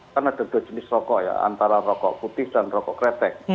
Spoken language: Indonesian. karena ada dua jenis rokok ya antara rokok putih dan rokok kretek